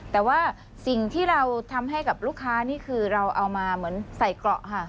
แต่ว่าสิ่งที่เราทำให้กับลูกค้านี่คือเราเอามาเหมือนใส่เกราะค่ะ